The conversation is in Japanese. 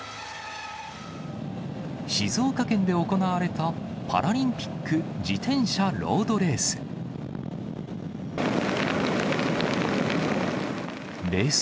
静岡県で行われた、パラリンピック自転車ロードレース。